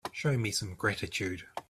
Show me some gratitude.